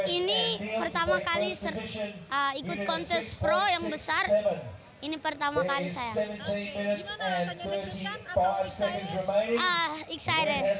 ini pertama kali ikut kontes pro yang besar ini pertama kali saya